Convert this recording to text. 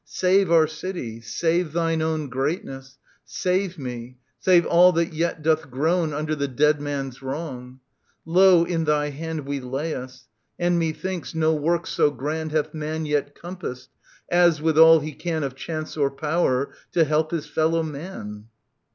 Save our city : save thine own Greatness : save me ; save all that yet doth groan Under the dead man's wrong I Lo, in thy hand We lay us. And, methinks, no work so grand Hath man yet compassed, as, with all he can Of chance or power, to help his fellow man.